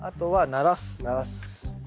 ならす。